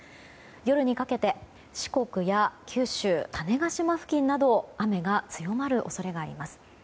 夜にかけて四国や九州種子島付近など雨が強まる恐れがあります。